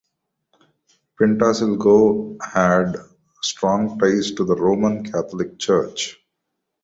Pintasilgo had strong ties to the Roman Catholic Church.